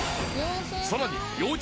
［さらに］